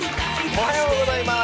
おはようございます。